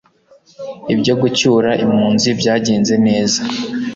Ibyo gucyura impunzi byagenze neza